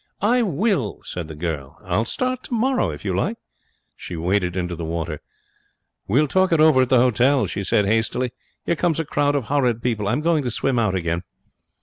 'I will,' said the girl. 'I'll start tomorrow if you like.' She waded into the water. 'We'll talk it over at the hotel,' she said, hastily. 'Here comes a crowd of horrid people. I'm going to swim out again.'